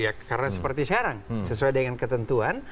ya karena seperti sekarang sesuai dengan ketentuan